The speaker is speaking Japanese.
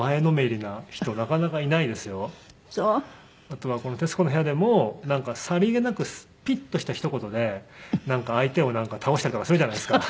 あとはこの『徹子の部屋』でもさりげなくピッとしたひと言で相手を倒したりとかするじゃないですか。